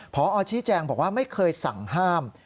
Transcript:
พอชี้แจงบอกว่าไม่เคยสั่งห้าม